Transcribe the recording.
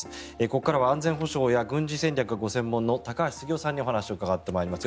ここからは安全保障や軍事戦略がご専門の高橋杉雄さんにお話を伺ってまいります。